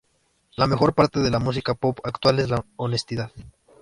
La mejor parte de la música pop actual es la honestidad.